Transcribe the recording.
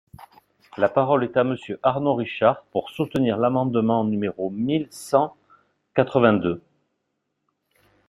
La parole est à Monsieur Arnaud Richard, pour soutenir l’amendement numéro mille cent quatre-vingt-deux.